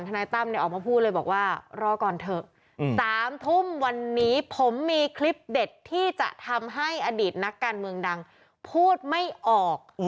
นายตั้มเนี่ยออกมาพูดเลยบอกว่ารอก่อนเถอะ๓ทุ่มวันนี้ผมมีคลิปเด็ดที่จะทำให้อดีตนักการเมืองดังพูดไม่ออก